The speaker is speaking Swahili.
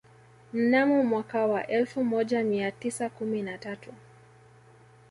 Mnamo mwaka wa elfu moja mia tisa kumi na tatu